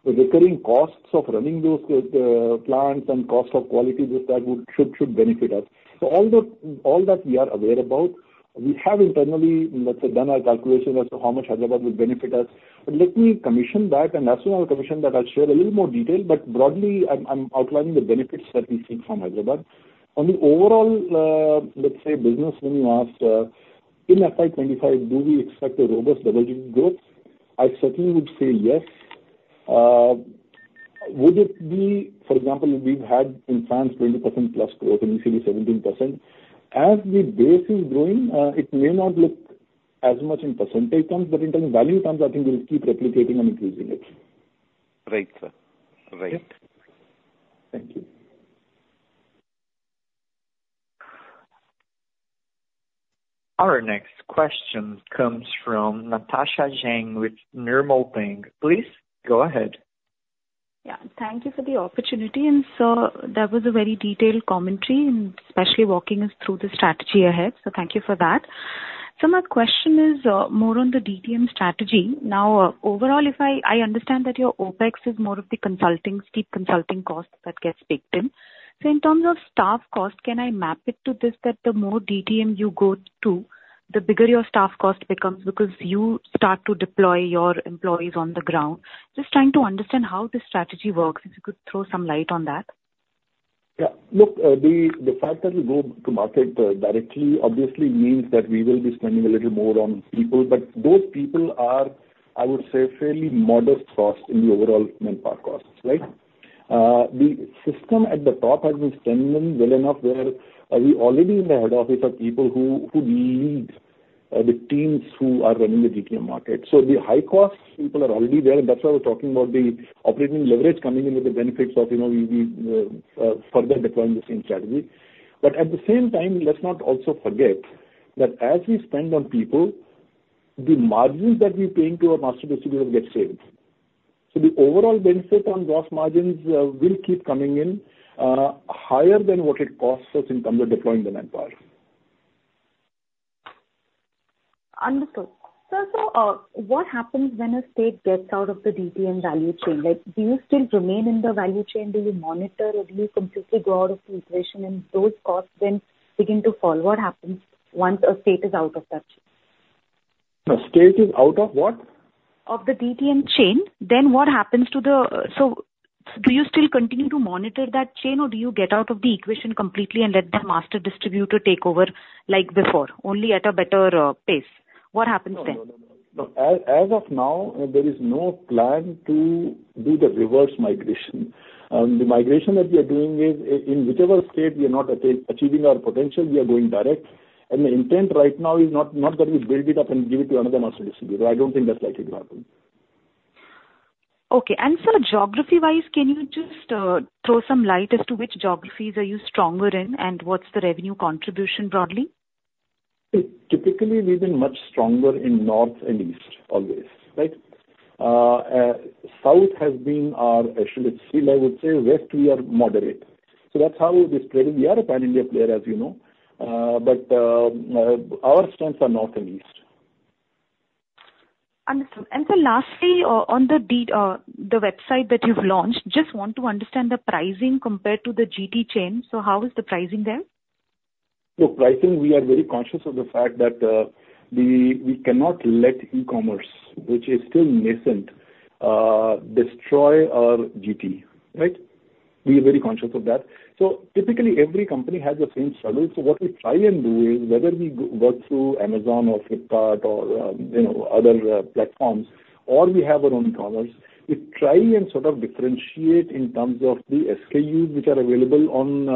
the recurring costs of running those plants and costs of quality, that would should benefit us. So all that we are aware about, we have internally, let's say, done our calculation as to how much Hyderabad would benefit us. But let me commission that, and as soon as I commission that, I'll share a little more detail. Broadly, I'm outlining the benefits that we seek from Hyderabad. On the overall, let's say, business, when you ask, in FY 2025, do we expect a robust double-digit growth? I certainly would say yes. Would it be... For example, we've had in fans, 20%+ growth, initially 17%. As the base is growing, it may not look as much in percentage terms, but in terms of value terms, I think we'll keep replicating and increasing it. Right, sir. Right. Thank you. Our next question comes from Natasha Jain with Nirmal Bang. Please, go ahead. Yeah, thank you for the opportunity. And so that was a very detailed commentary, and especially walking us through the strategy ahead, so thank you for that. So my question is, more on the DTM strategy. Now, overall, if I understand that your OpEx is more of the consulting, steep consulting costs that gets baked in. So in terms of staff cost, can I map it to this, that the more DTM you go to, the bigger your staff cost becomes because you start to deploy your employees on the ground? Just trying to understand how this strategy works, if you could throw some light on that. Yeah. Look, the fact that we go to market directly obviously means that we will be spending a little more on people, but those people are, I would say, fairly modest costs in the overall manpower costs, right? The system at the top has been strengthened well enough where we already in the head office are people who lead the teams who are running the DTM market. So the high-cost people are already there, and that's why we're talking about the operating leverage coming in with the benefits of, you know, we further deploying the same strategy. But at the same time, let's not also forget that as we spend on people, the margins that we pay into our master distributor get saved. So the overall benefit on gross margins will keep coming in higher than what it costs us in terms of deploying the manpower. Understood. Sir, so, what happens when a state gets out of the DTM value chain? Like, do you still remain in the value chain, do you monitor, or do you completely go out of the equation and those costs then begin to fall? What happens once a state is out of that chain? A state is out of what? Of the DTM chain, then what happens to the? So, do you still continue to monitor that chain, or do you get out of the equation completely and let the master distributor take over like before, only at a better pace? What happens then? No, no, no, no. As of now, there is no plan to do the reverse migration. The migration that we are doing is, in whichever state we are not achieving our potential, we are going direct. And the intent right now is not that we build it up and give it to another master distributor. I don't think that's likely to happen. Okay. And sir, geography-wise, can you just throw some light as to which geographies are you stronger in, and what's the revenue contribution broadly? Typically, we've been much stronger in North and East always, right? South has been our Achilles' heel. I would say West, we are moderate. So that's how we've been spreading. We are a pan-India player, as you know, but our strengths are North and East. Understood. And sir, lastly, on the website that you've launched, just want to understand the pricing compared to the GT chain. So how is the pricing there? So pricing, we are very conscious of the fact that we cannot let e-commerce, which is still nascent, destroy our GT, right? We are very conscious of that. So typically, every company has the same struggle. So what we try and do is, whether we work through Amazon or Flipkart or you know, other platforms, or we have our own e-commerce, we try and sort of differentiate in terms of the SKUs which are available on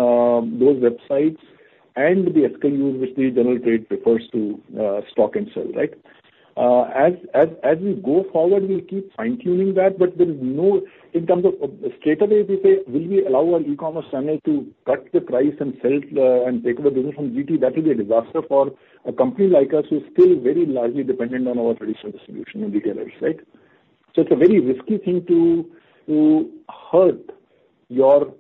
those websites and the SKUs which the general trade prefers to stock and sell, right? As we go forward, we'll keep fine-tuning that, but there's no... In terms of straightaway, we say, will we allow our e-commerce channel to cut the price and sell and take over business from GT? That will be a disaster for a company like us, who are still very largely dependent on our traditional distribution and retailers, right? So it's a very risky thing to hurt your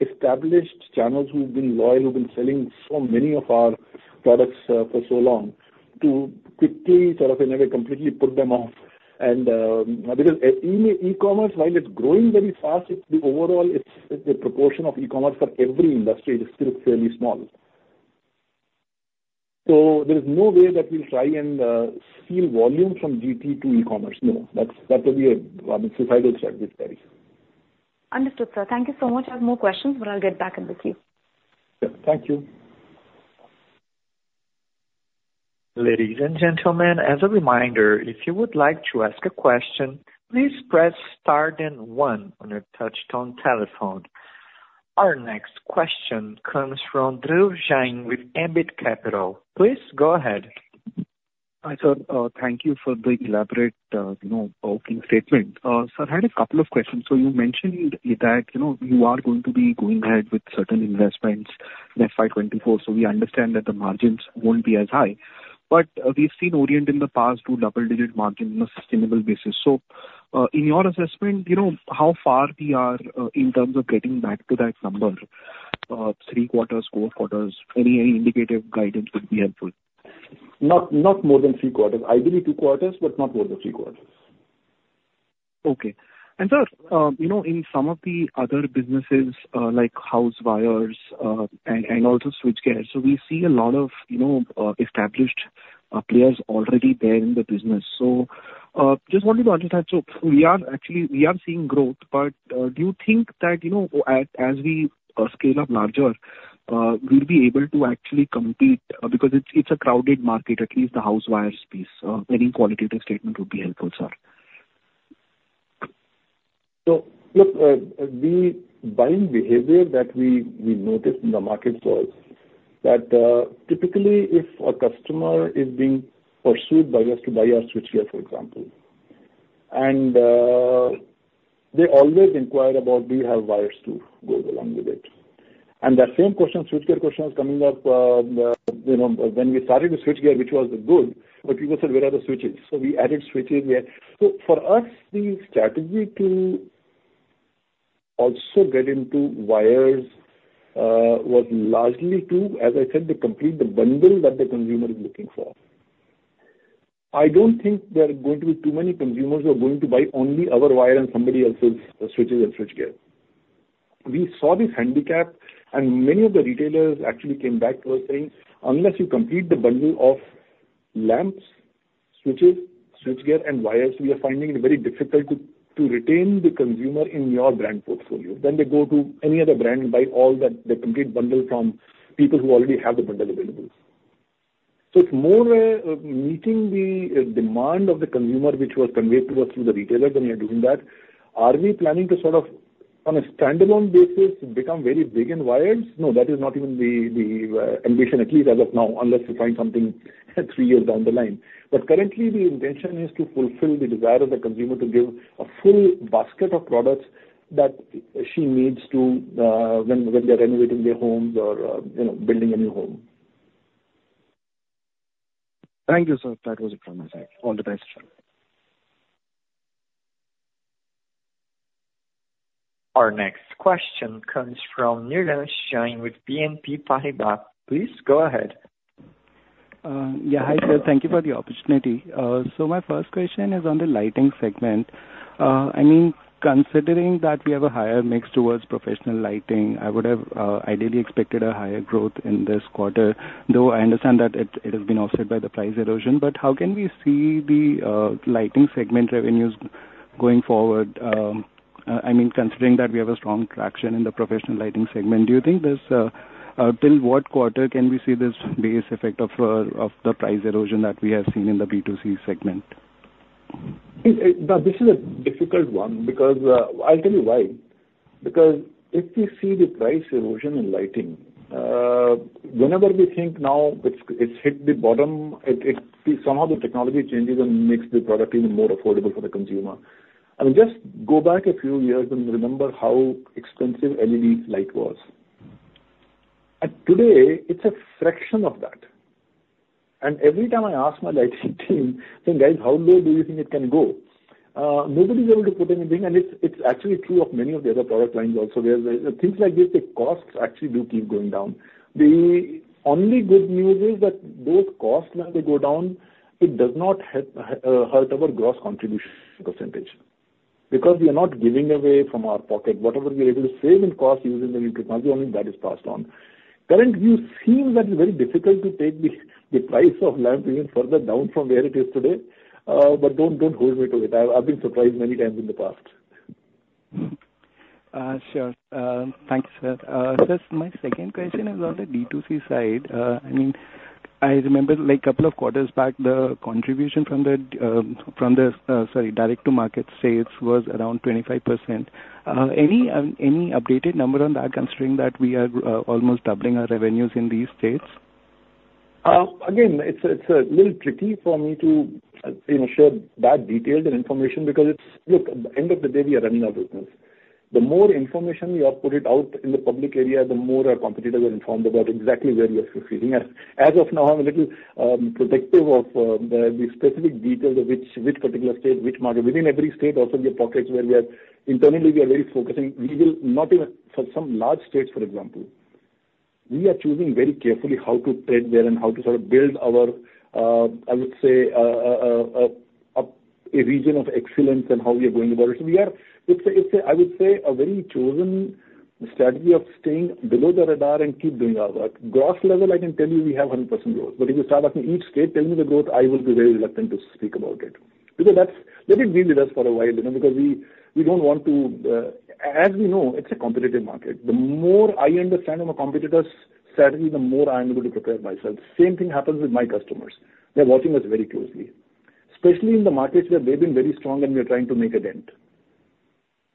established channels, who've been loyal, who've been selling so many of our products for so long, to quickly, sort of, in a way, completely put them off. And, because e-commerce, while it's growing very fast, it's the overall, it's the proportion of e-commerce for every industry is still fairly small. So there is no way that we'll try and steal volume from GT to e-commerce. No, that's that would be a one suicidal strategy. Understood, sir. Thank you so much. I have more questions, but I'll get back in with you. Yeah. Thank you. Ladies and gentlemen, as a reminder, if you would like to ask a question, please press star then one on your touchtone telephone. Our next question comes from Dhruv Jain with Ambit Capital. Please go ahead. Hi, sir. Thank you for the elaborate, you know, opening statement. Sir, I had a couple of questions. So you mentioned that, you know, you are going to be going ahead with certain investments in FY 2024, so we understand that the margins won't be as high. But, we've seen Orient in the past do double-digit margin on a sustainable basis. So, in your assessment, you know, how far we are in terms of getting back to that number? Three quarters, four quarters, any, any indicative guidance would be helpful. Not more than three quarters. Ideally, two quarters, but not more than three quarters. Okay. And sir, you know, in some of the other businesses, like house wires, and also switchgear, so we see a lot of, you know, established players already there in the business. So, just wanted to understand. So we are actually—we are seeing growth, but, do you think that, you know, as, as we, scale up larger, we'll be able to actually compete? Because it's, it's a crowded market, at least the house wires piece. Any qualitative statement would be helpful, sir. So look, the buying behavior that we noticed in the market was that, typically if a customer is being pursued by us to buy our switchgear, for example, and they always inquire about: Do you have wires to go along with it? And that same question, switchgear question, was coming up, you know, when we started with switchgear, which was good, but people said: Where are the switches? So we added switches. So for us, the strategy to also get into wires was largely to, as I said, to complete the bundle that the consumer is looking for. I don't think there are going to be too many consumers who are going to buy only our wire and somebody else's switches and switchgear. We saw this handicap, and many of the retailers actually came back to us saying, "Unless you complete the bundle of lamps, switches, switchgear, and wires, we are finding it very difficult to retain the consumer in your brand portfolio. Then they go to any other brand and buy all the complete bundle from people who already have the bundle available." So it's more meeting the demand of the consumer, which was conveyed to us through the retailers, and we are doing that. Are we planning to sort of, on a standalone basis, become very big in wires? No, that is not even the ambition, at least as of now, unless we find something three years down the line. But currently, the intention is to fulfill the desire of the consumer to give a full basket of products that she needs to, when they are renovating their homes or, you know, building a new home.... Thank you, sir. That was it from my side. All the best. Our next question comes from Niraj Sheth with BNP Paribas. Please go ahead. Yeah. Hi, sir. Thank you for the opportunity. So my first question is on the lighting segment. I mean, considering that we have a higher mix towards professional lighting, I would have ideally expected a higher growth in this quarter, though I understand that it, it has been offset by the price erosion. But how can we see the lighting segment revenues going forward? I mean, considering that we have a strong traction in the professional lighting segment, do you think this till what quarter can we see this base effect of of the price erosion that we have seen in the B2C segment? This is a difficult one, because I'll tell you why. Because if we see the price erosion in lighting, whenever we think now it's hit the bottom, somehow the technology changes and makes the product even more affordable for the consumer. I mean, just go back a few years and remember how expensive LED light was. And today, it's a fraction of that. And every time I ask my lighting team, saying: "Guys, how low do you think it can go?" Nobody is able to put anything, and it's actually true of many of the other product lines also, where the things like this, the costs actually do keep going down. The only good news is that those costs, when they go down, it does not hurt our gross contribution percentage. Because we are not giving away from our pocket. Whatever we are able to save in cost using the new technology, only that is passed on. Currently, we've seen that it's very difficult to take the price of lamp even further down from where it is today, but don't, don't hold me to it. I've, I've been surprised many times in the past. Sure. Thank you, sir. Sir, my second question is on the B2C side. I mean, I remember, like, couple of quarters back, the contribution from the, from the, sorry, direct-to-market sales was around 25%. Any, any updated number on that, considering that we are, almost doubling our revenues in these states? Again, it's a little tricky for me to, you know, share that detailed information, because it's... Look, at the end of the day, we are running our business. The more information we have put it out in the public area, the more our competitors are informed about exactly where we are succeeding. As of now, I'm a little protective of the specific details of which particular state, which market. Within every state, also there are pockets where we are internally very focusing. We will not even, for some large states, for example, we are choosing very carefully how to trade there and how to sort of build our, I would say, a region of excellence in how we are going about it. So we are, it's a, I would say, a very chosen strategy of staying below the radar and keep doing our work. Gross level, I can tell you we have 100% growth. But if you start asking me each state, tell me the growth, I will be very reluctant to speak about it. Because that's, let it be with us for a while, you know, because we, we don't want to, as we know, it's a competitive market. The more I understand our competitors' strategy, the more I am able to prepare myself. Same thing happens with my customers. They're watching us very closely, especially in the markets where they've been very strong and we are trying to make a dent.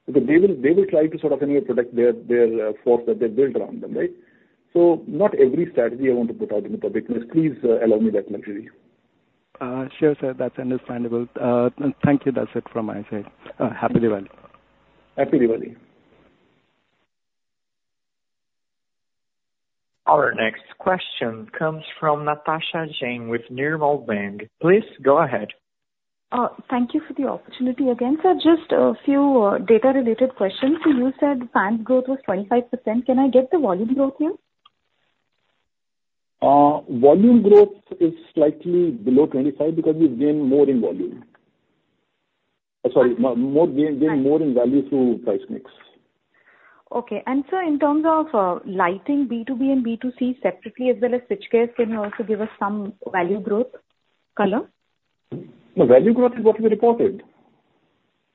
Because they will, they will try to sort of, anyway, protect their, their force that they've built around them, right? Not every strategy I want to put out in the public, please, allow me that luxury. Sure, sir, that's understandable. Thank you. That's it from my side. Happy Diwali! Happy Diwali. Our next question comes from Natasha Jain with Nirmal Bang. Please go ahead. Thank you for the opportunity again, sir. Just a few, data-related questions. So you said fans growth was 25%. Can I get the volume growth here? Volume growth is slightly below 25, because we've gained more in value through price mix. Okay. And sir, in terms of, lighting, B2B and B2C separately, as well as switchgear, can you also give us some value growth color? The value growth is what we reported.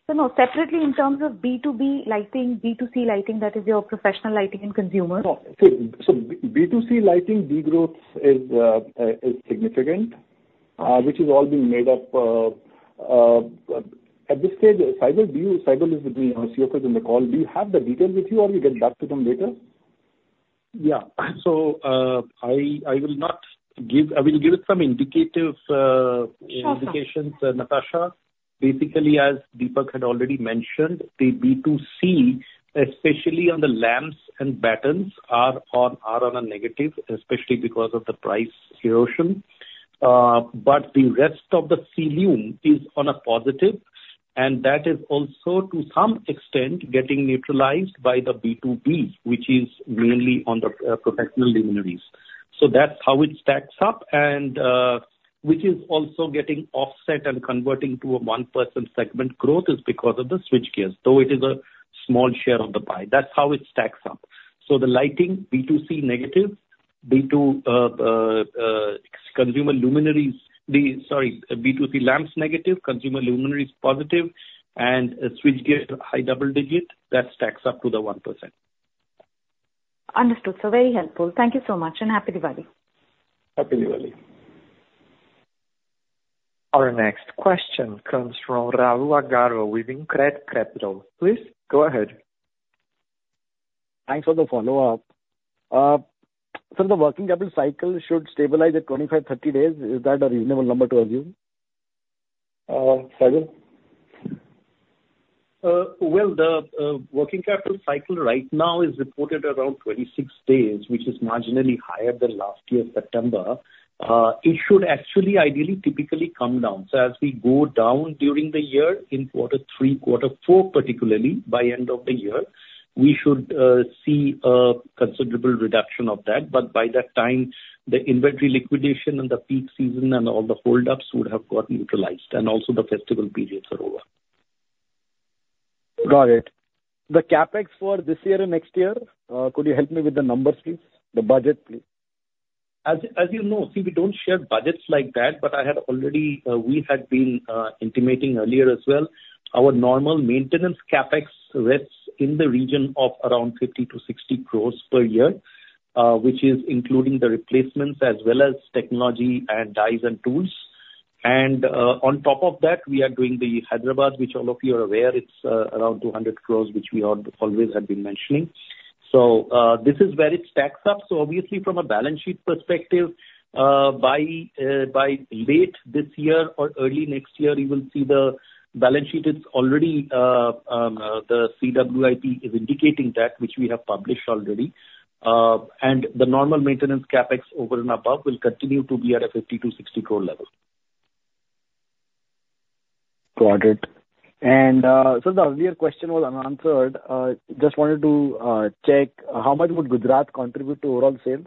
So no, separately in terms of B2B lighting, B2C lighting, that is your professional lighting and consumer. No. So, B2C lighting, B2B growth is significant, which is all being made up at this stage, Saibal, do you... Saibal is with me, our CFO is in the call. Do you have the details with you, or we get back to them later? Yeah. So, I will not give. I will give some indicative indications- Sure. Natasha. Basically, as Deepak had already mentioned, the B2C, especially on the lamps and battens, are on a negative, especially because of the price erosion. But the rest of the ceiling is on a positive, and that is also, to some extent, getting neutralized by the B2B, which is mainly on the professional luminaires. So that's how it stacks up, and which is also getting offset and converting to a 1% segment growth is because of the switchgears, though it is a small share of the pie. That's how it stacks up. So the lighting, B2C, negative. B2 consumer luminaires, the, sorry, B2C lamps, negative, consumer luminaires, positive, and switchgear, high double digit. That stacks up to the 1%. Understood, sir. Very helpful. Thank you so much, and happy Diwali. Happy Diwali. Our next question comes from Rahul Agarwal with InCred Capital. Please go ahead. Thanks for the follow-up. So the working capital cycle should stabilize at 25-30 days. Is that a reasonable number to assume? Uh, Saibal? Well, the working capital cycle right now is reported around 26 days, which is marginally higher than last year, September. It should actually ideally, typically come down. So as we go down during the year in quarter three, quarter four, particularly by end of the year, we should see a considerable reduction of that. But by that time, the inventory liquidation and the peak season and all the holdups would have got neutralized and also the festival periods are over. Got it. The CapEx for this year and next year, could you help me with the numbers, please? The budget, please. As, as you know, see, we don't share budgets like that, but I had already, we had been, intimating earlier as well. Our normal maintenance CapEx rests in the region of around 50-60 crores per year, which is including the replacements as well as technology and dies and tools. And, on top of that, we are doing the Hyderabad, which all of you are aware, it's, around 200 crores, which we all always have been mentioning. So, this is where it stacks up. So obviously from a balance sheet perspective, by, by late this year or early next year, you will see the balance sheet is already, the CWIP is indicating that which we have published already. The normal maintenance CapEx over and above will continue to be at a 50 crore-60 crore level. Got it. And so the earlier question was unanswered. Just wanted to check how much would Gujarat contribute to overall sales?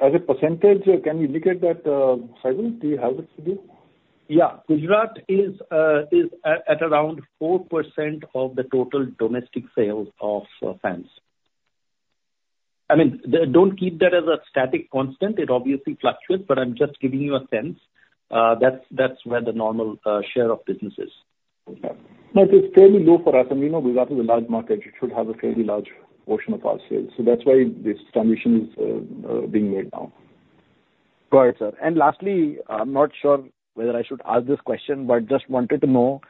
As a percentage, can you indicate that, Saibal, do you have it with you? Yeah. Gujarat is at around 4% of the total domestic sales of fans. I mean, don't keep that as a static constant. It obviously fluctuates, but I'm just giving you a sense, that's where the normal share of business is. Okay. Now, it is fairly low for us, and we know Gujarat is a large market. It should have a fairly large portion of our sales. So that's why this transition is being made now. Got it, sir. And lastly, I'm not sure whether I should ask this question, but just wanted to know,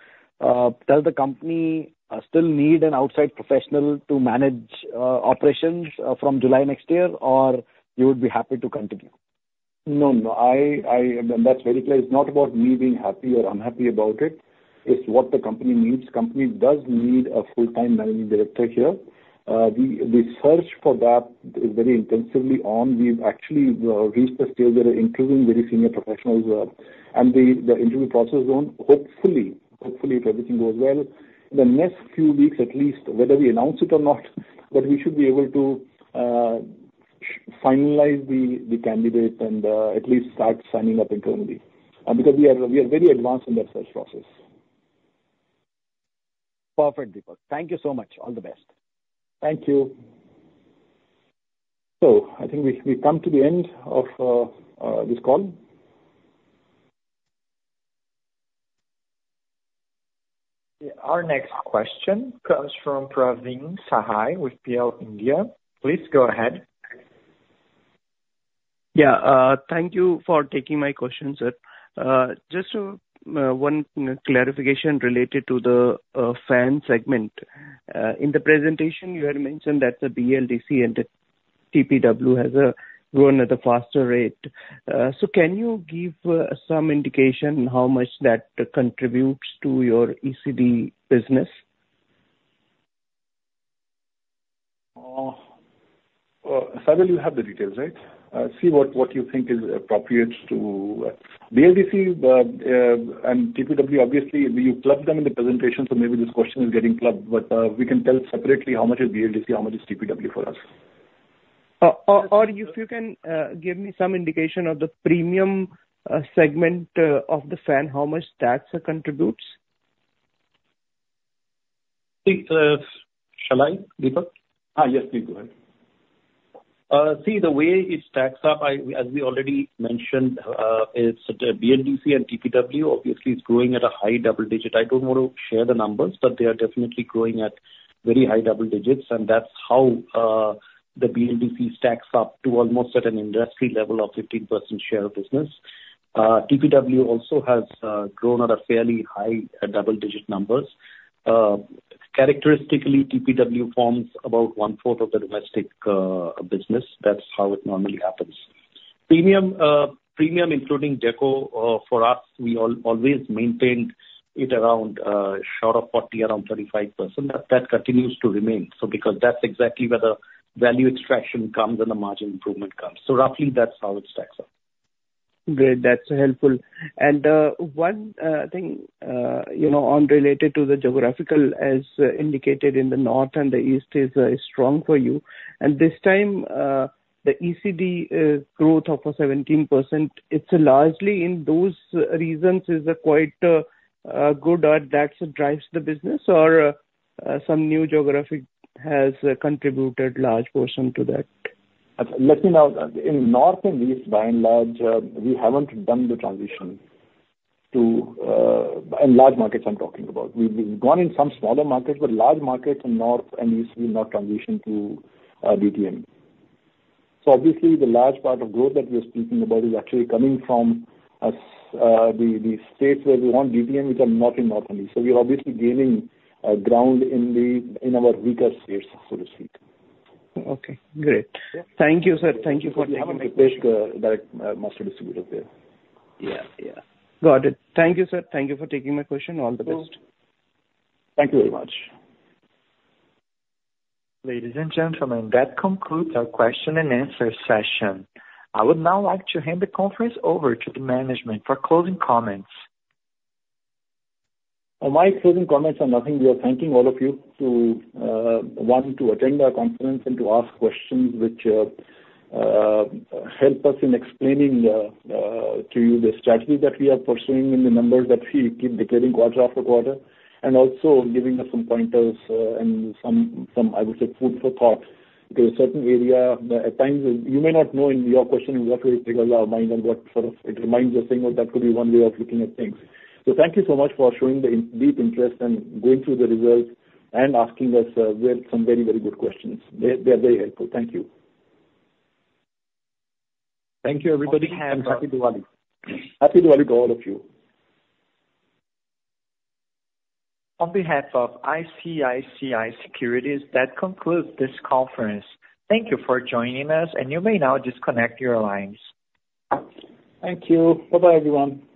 does the company still need an outside professional to manage operations from July next year, or you would be happy to continue? No, no. That's very clear. It's not about me being happy or unhappy about it. It's what the company needs. Company does need a full-time managing director here. The search for that is very intensively on. We've actually reached the stage where we're interviewing very senior professionals, and the interview process is on. Hopefully, if everything goes well, in the next few weeks at least, whether we announce it or not, but we should be able to finalize the candidate and at least start signing up internally, because we are very advanced in that search process. Perfect, Deepak. Thank you so much. All the best. Thank you. So I think we, we've come to the end of this call. Our next question comes from Praveen Sahay with PL India. Please go ahead. Yeah, thank you for taking my question, sir. Just to, one clarification related to the, fan segment. In the presentation, you had mentioned that the BLDC and the TPW has, grown at a faster rate. So can you give, some indication how much that contributes to your ECD business? Saibal, you have the details, right? See what you think is appropriate to... BLDC and TPW, obviously, we've clubbed them in the presentation, so maybe this question is getting clubbed, but we can tell separately how much is BLDC, how much is TPW for us. Or if you can give me some indication of the premium segment of the fan, how much that contributes? Think, shall I, Deepak? Yes, please go ahead. See, the way it stacks up, I, as we already mentioned, is the BLDC and TPW obviously is growing at a high double digit. I don't want to share the numbers, but they are definitely growing at very high double digits, and that's how, the BLDC stacks up to almost at an industry level of 15% share of business. TPW also has, grown at a fairly high double digit numbers. Characteristically, TPW forms about one-fourth of the domestic, business. That's how it normally happens. Premium, premium, including deco, for us, we always maintained it around, short of 40, around 35%. That, that continues to remain. So because that's exactly where the value extraction comes and the margin improvement comes. So roughly that's how it stacks up. Great, that's helpful. One thing, you know, on related to the geographies as indicated in the north and the east is strong for you. This time, the ECD growth of 17%, it's largely in those regions, is quite good that drives the business or some new geographies has contributed large portion to that? Let me now, in North and East, by and large, we haven't done the transition to, and large markets I'm talking about. We've, we've gone in some smaller markets, but large markets in North and East, we've not transitioned to, DTM. So obviously, the large part of growth that we're speaking about is actually coming from, the, the states where we want DTM, which are not in North only. So we are obviously gaining, ground in the, in our weaker states, so to speak. Okay, great. Yeah. Thank you, sir. Thank you for having me. We have a direct master distributor there. Yeah, yeah. Got it. Thank you, sir. Thank you for taking my question. All the best. Thank you very much. Ladies and gentlemen, that concludes our question and answer session. I would now like to hand the conference over to the management for closing comments. My closing comments are nothing. We are thanking all of you who wanted to attend our conference and to ask questions which help us in explaining to you the strategy that we are pursuing and the numbers that we keep declaring quarter after quarter, and also giving us some pointers, and some, some, I would say, food for thought. There are certain area at times you may not know in your question, what will trigger your mind and what sort of it reminds us, saying, "Well, that could be one way of looking at things." So thank you so much for showing the in-depth interest and going through the results and asking us, well, some very, very good questions. They're, they're very helpful. Thank you. Thank you, everybody, and Happy Diwali! Happy Diwali to all of you. On behalf of ICICI Securities, that concludes this conference. Thank you for joining us, and you may now disconnect your lines. Thank you. Bye-bye, everyone. Bye.